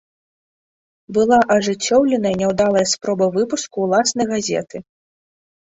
Была ажыццёўленая няўдалая спроба выпуску ўласнай газеты.